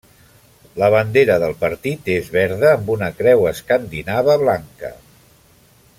La bandera del partit és verda amb una creu escandinava blanca.